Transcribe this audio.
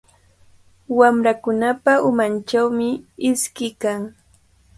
Wamrakunapa umanchawmi iski kan.